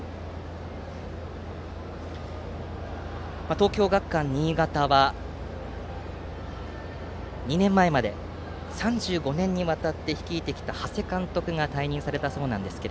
東京学館新潟は２年前まで３５年にわたって率いてきた、長谷監督が退任されたそうなんですが